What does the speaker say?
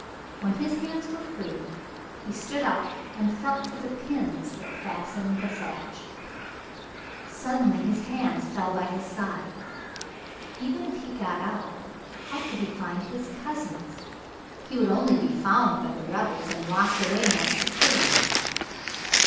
When his hands were free he stood up and felt for the pins that fasten the thatch. Suddenly his hands fell by his side. Even if he got out, how could he find his cousins? He would only be found by the rebels and be locked away more securely.